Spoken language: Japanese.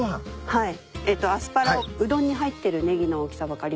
はい。